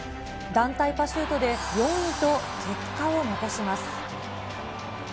団体パシュートで４位と結果を残します。